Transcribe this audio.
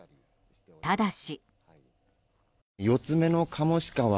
ただし。